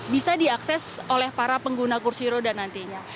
bisa diakses oleh para pengguna kursi roda nantinya